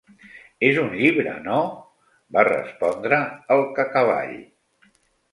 És un llibre, no? —va respondre el Cacavall.